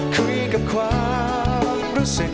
คุยกับความรู้สึก